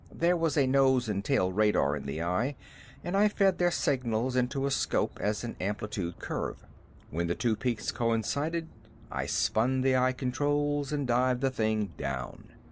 There was a nose and tail radar in the eye and I fed their signals into a scope as an amplitude curve. When the two peaks coincided, I spun the eye controls and dived the thing down.